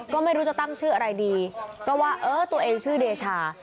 ก็ไม่รู้จะตั้งชื่ออะไรดีก็ว่าเออตัวเองชื่อเดชา